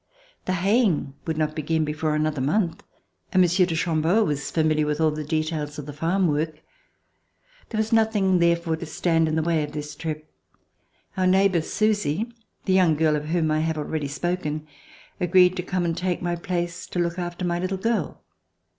The haying would not begin before another month, and Monsieur de Cham beau was familiar with all the details of the farm work. There was therefore nothing to stand in the way of this trip. Our neighbor, Susy, the young girl of whom 1 have already spoken, agreed to come and take my place to look after my little girl.